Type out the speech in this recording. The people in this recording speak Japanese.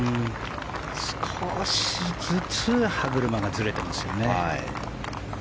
少しずつ歯車がずれてますよね。